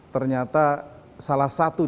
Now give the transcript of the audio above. ternyata salah satu